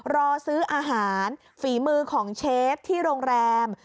รอซื้ออาหารฝีมือของเชฟที่โรงแรม